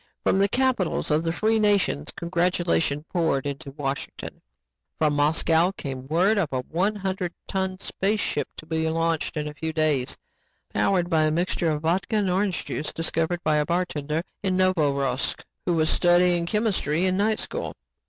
From the capitals of the free nations congratulations poured into Washington. From Moscow came word of a one hundred ton spaceship to be launched in a few days, powered by a mixture of vodka and orange juice discovered by a bartender in Novorosk who was studying chemistry in night school.